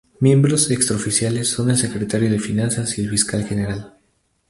Miembros extra-oficiales son el secretario de finanzas y el fiscal general.